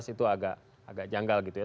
itu agak janggal gitu ya